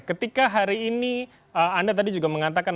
ketika hari ini anda tadi juga mengatakan